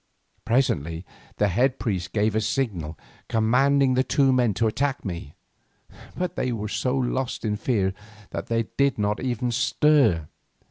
Presently the head priest gave a signal commanding the two men to attack me, but they were so lost in fear that they did not even stir.